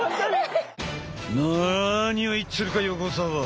何を言ってるか横澤！